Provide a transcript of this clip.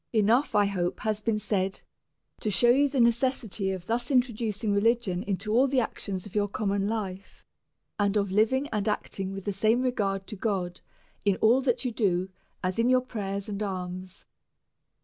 Enough, I hope, has been said to shew you the ne cessity of thus introducing religion into all the actions of your common life, and of living and acting with the same regard to God in all that you do, as in your prayers and alms.